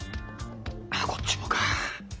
あっこっちもか。